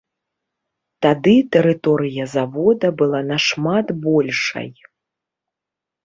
Тады тэрыторыя завода была нашмат большай.